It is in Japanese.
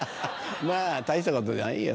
まぁ大したことじゃないよ